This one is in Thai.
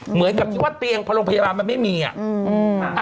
เหมือนกับที่ว่าเตียงพอโรงพยาบาลมันไม่มีอ่ะอืม